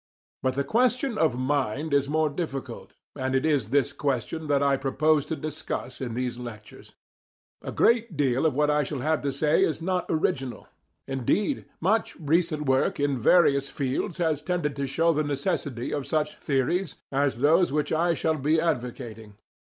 But the question of mind is more difficult, and it is this question that I propose to discuss in these lectures. A great deal of what I shall have to say is not original; indeed, much recent work, in various fields, has tended to show the necessity of such theories as those which I shall be advocating.